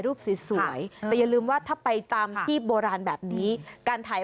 สวยแต่อย่าลืมว่าถ้าไปตามที่โบราณแบบนี้การถ่าย